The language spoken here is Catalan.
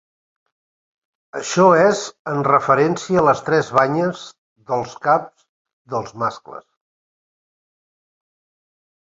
Això és en referència a les tres banyes dels caps dels mascles.